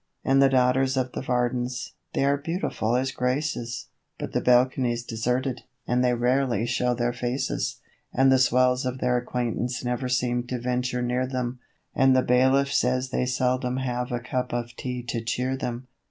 And the daughters of the Vardens they are beautiful as Graces But the balcony's deserted, and they rarely show their faces; And the swells of their acquaintance never seem to venture near them, And the bailiff says they seldom have a cup of tea to cheer them.